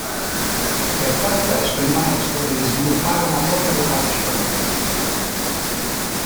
Per far questo il maestro deve sviluppare una propria "vocazione" per l'insegnamento.